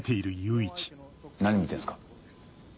何見てんすか？